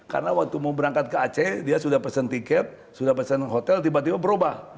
karena waktu mau berangkat ke aceh dia sudah pesan tiket sudah pesan hotel tiba tiba berubah